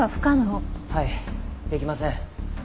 はいできません。